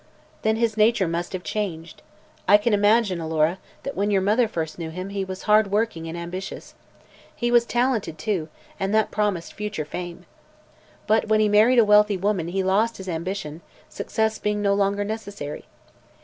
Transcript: "Then his nature must have changed. I can imagine, Alora, that when your mother first knew him he was hard working and ambitious. He was talented, too, and that promised future fame. But when he married a wealthy woman he lost his ambition, success being no longer necessary.